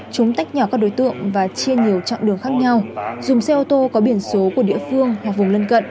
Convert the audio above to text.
chúng tách nhỏ các đối tượng và chia nhiều trạng đường khác nhau dùng xe ô tô có biển số của địa phương hoặc vùng lân cận